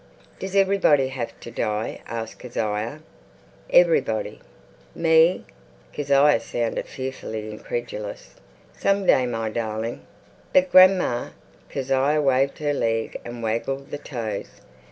"Does everybody have to die?" asked Kezia. "Everybody!" "Me?" Kezia sounded fearfully incredulous. "Some day, my darling." "But, grandma." Kezia waved her left leg and waggled the toes.